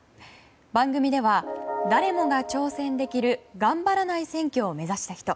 番組では誰もが挑戦できる頑張らない選挙を目指した人。